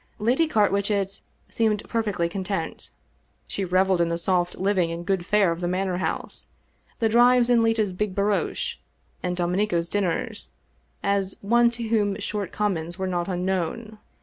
Lady Carwitchet seemed perfectly content. She reveled in the soft living and good fare of the Manor House, the drives in Leta's big barouche, and Domenico's dinners, as one to whom short commons were not unknown.